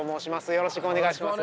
よろしくお願いします。